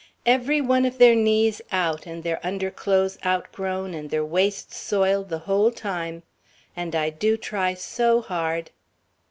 "... every one of their knees out, and their underclothes outgrown, and their waists soiled, the whole time. And I do try so hard...."